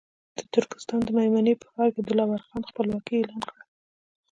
د ترکستان د مېمنې په ښار کې دلاور خان خپلواکي اعلان کړه.